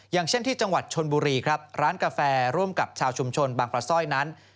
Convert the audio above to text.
อย่างเช่นที่จังหวัดชนบุรีครับร้านกาแฟร่วมกับชาวชุมชนบางปลาสร้อยนั้น